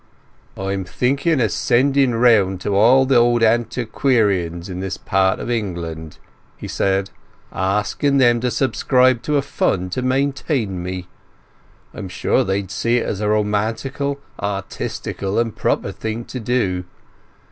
"I'm thinking of sending round to all the old antiqueerians in this part of England," he said, "asking them to subscribe to a fund to maintain me. I'm sure they'd see it as a romantical, artistical, and proper thing to do.